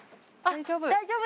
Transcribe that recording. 大丈夫。